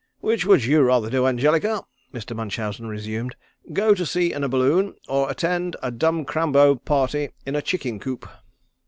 "Which would you rather do, Angelica," Mr. Munchausen resumed, "go to sea in a balloon or attend a dumb crambo party in a chicken coop?"